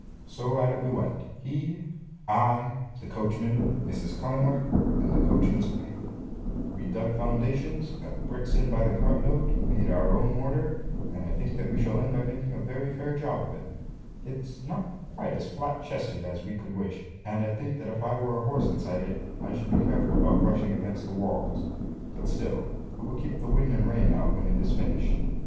So at it we went, he, I, the coachman, Mrs. Cullingworth, and the coachman's wife. We dug foundations, got bricks in by the cartload, made our own mortar, and I think that we shall end by making a very fair job of it. It's not quite as flat chested as we could wish; and I think that if I were a horse inside it, I should be careful about brushing against the walls; but still it will keep the wind and rain out when it is finished.